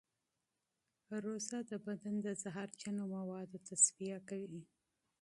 روژه د بدن د زهرجنو موادو تصفیه کوي.